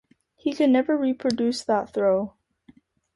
He could never reproduce that throw.